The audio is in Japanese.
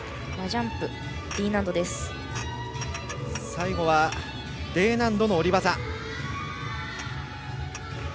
最後はＤ難度の下り技。